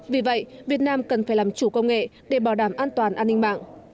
vì vậy việt nam cần phải làm chủ công nghệ để bảo đảm an toàn an ninh mạng